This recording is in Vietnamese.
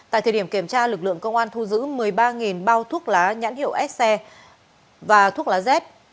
tại thời điểm kiểm tra lực lượng công an thu giữ